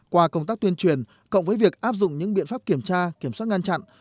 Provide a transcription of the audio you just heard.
qua công tác tuyên truyền cộng với việc áp dụng những biện pháp kiểm tra kiểm soát ngăn chặn